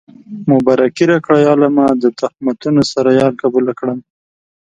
مبارکي راکړئ عالمه د تهمتونو سره يار قبوله کړمه